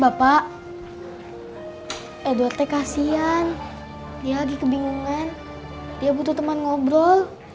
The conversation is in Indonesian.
bapak edote kasian dia lagi kebingungan dia butuh teman ngobrol